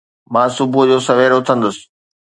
مان صبح جو سوير اٿندس